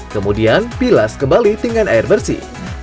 kemudian pilas kembali dengan air bersih